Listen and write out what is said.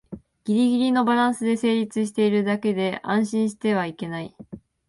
ギリギリのバランスで成立してるだけで安心してはいけない